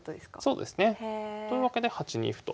そうですね。というわけで８二歩と。